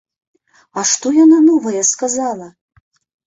А што яна новае сказала?